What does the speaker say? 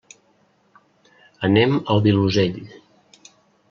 Anem al Vilosell.